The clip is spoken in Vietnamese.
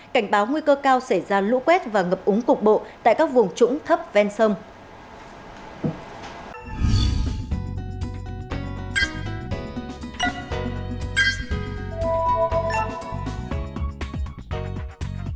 cảnh báo nguy cơ cao xảy ra lũ quét và ngập úng cục bộ tại các vùng trũng thấp ven sông